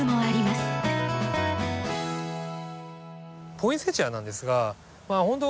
ポインセチアなんですがほんと